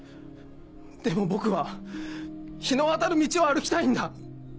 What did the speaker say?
でも僕は日の当たる道を歩きたいんだ！